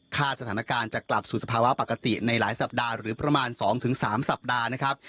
สถานการณ์จะกลับสู่สภาวะปกติในหลายสัปดาห์หรือประมาณ๒๓สัปดาห์นะครับ